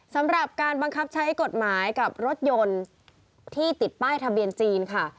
สำหรับการบังคับใช้กฎหมายกับรถยนต์ที่ติดป้ายทะเบียนจีนค่ะ